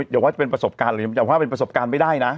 อย่าว่าจะเป็นประสบการณ์หรืออย่าว่าเป็นประสบการณ์ไม่ได้นะ